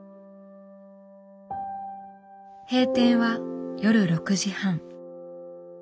閉店は夜６時半。